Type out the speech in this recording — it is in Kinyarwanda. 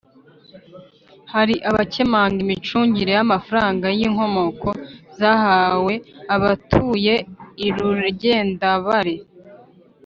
hari abakemanga imicungire y’amafaranga y’inkomoko zahawe abatuye I rugendabare